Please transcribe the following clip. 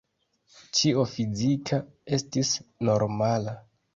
Ĉio fizika estis normala.